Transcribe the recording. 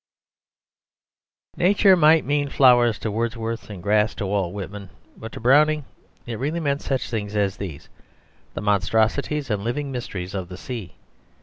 Nature might mean flowers to Wordsworth and grass to Walt Whitman, but to Browning it really meant such things as these, the monstrosities and living mysteries of the sea.